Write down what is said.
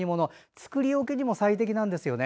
作り置きにも最適なんですね。